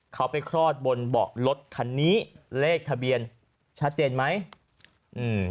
เขาไปคลอดบนเบาะรถคันนี้เลขทะเบียนชัดเจนไหมอืม